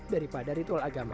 daripada ritual agama